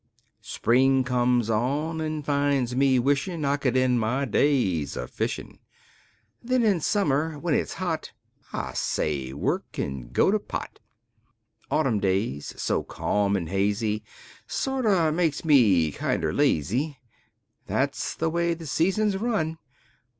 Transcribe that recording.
Spring comes on an' finds me wishin' I could end my days a fishin'. Then in summer, when it's hot, I say work kin go to pot. Autumn days, so calm an' hazy, Sorter make me kinder lazy. That's the way the seasons run.